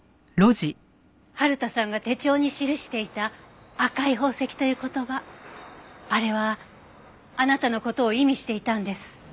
春田さんが手帳に記していた「赤い宝石」という言葉あれはあなたの事を意味していたんです。